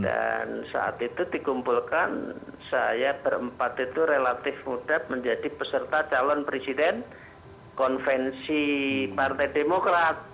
dan saat itu dikumpulkan saya berempat itu relatif muda menjadi peserta calon presiden konvensi partai demokrat